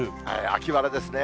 秋晴れですね。